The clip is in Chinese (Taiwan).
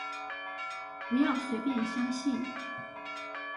不要隨便相信